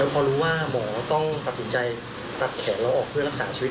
พอรู้ว่าหมอต้องตัดสินใจตัดแขนเราออกเพื่อรักษาชีวิต